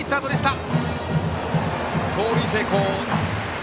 盗塁成功。